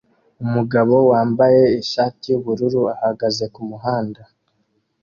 Umugabo wambaye ishati yubururu ahagaze kumuhanda